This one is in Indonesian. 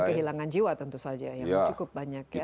dan kehilangan jiwa tentu saja yang cukup banyak ya